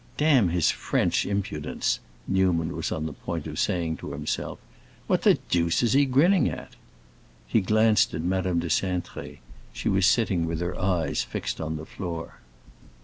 "Damn his French impudence!" Newman was on the point of saying to himself. "What the deuce is he grinning at?" He glanced at Madame de Cintré; she was sitting with her eyes fixed on the floor.